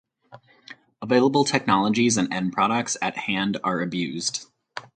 Available technologies and end products at hand are abused.